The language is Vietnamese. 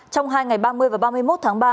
trong hai ngày ba mươi và ba mươi một tháng ba